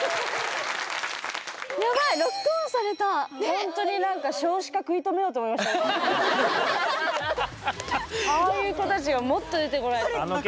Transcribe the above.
ほんとに何かああいう子たちがもっと出てこないと。